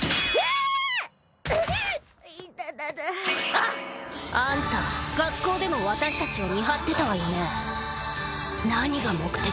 あっ！あんた学校でも私たちを見張ってたわ何が目的？